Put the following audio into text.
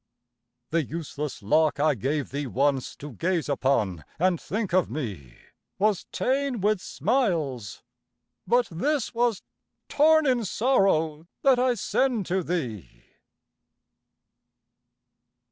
The useless lock I gave thee once, To gaze upon and think of me, Was ta'en with smiles, but this was torn In sorrow that I send to thee!